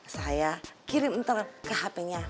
saya kirim ke hp nya